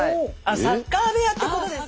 サッカー部屋ってことですね。